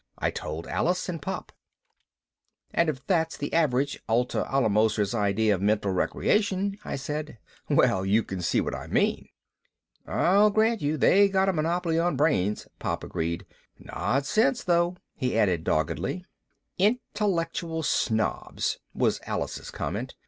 I told Alice and Pop. "And if that's the average Atla Alamoser's idea of mental recreation," I said, "well, you can see what I mean." "I'll grant you they got a monopoly of brains," Pop agreed. "Not sense, though," he added doggedly. "Intellectual snobs," was Alice's comment.